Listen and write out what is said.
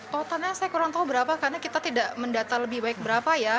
totalnya saya kurang tahu berapa karena kita tidak mendata lebih baik berapa ya